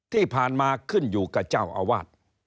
ที่ผ่านมาขึ้นอยู่กับเจ้าอาวาส